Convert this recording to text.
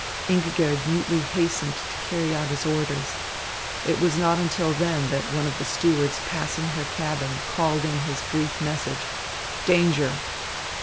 Ingigerd mutely hastened to carry out his orders. It was not until then that one of the stewards passing her cabin called in his brief message, "Danger!"